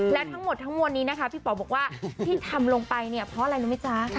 และทั้งหมดทั้งมวลนี้นะคะพี่ป๋อบอกว่าที่ทำลงไปเนี่ยเพราะอะไรรู้ไหมจ๊ะ